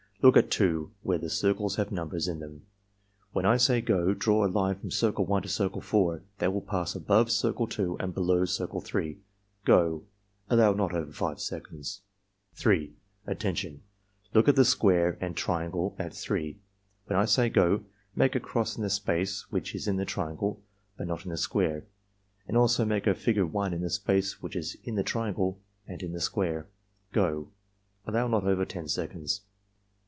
Look at 2, where the circles have numbers in them. When I say 'go' draw a line from Circle 1 to Circle 4 that will pass above Circle 2 and below Circle 3. — Go!" (Allow not over 5 seconds.) EXAMINER'S GUIDE 55 3. "Attention! Look at the square and triangle at 3. When I say 'go' make a cross in the space which is in the triangle but not in the square, and also make a figure 1 in the space which is in the triangle and in the square. — Go!" (Allow not over 10 seconds.)